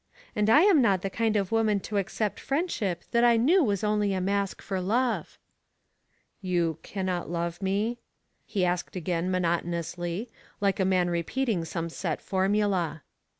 And I am not the kind of woman to accept friendship that I knew was only a mask for love." " You cannot love me ?" he asked again monot onously, like a man repeating some set formula.